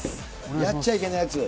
やっちゃいけないやつ。